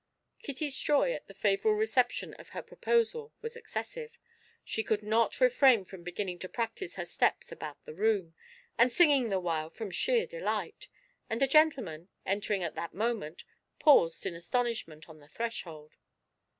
Kitty's joy at the favourable reception of her proposal was excessive; she could not refrain from beginning to practise her steps about the room, and singing the while from sheer delight, and the gentlemen, entering at that moment, paused in astonishment on the threshold.